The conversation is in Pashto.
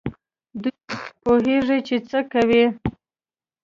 دوی پوهېږي چي څه کوي.